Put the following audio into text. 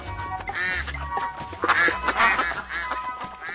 ああ。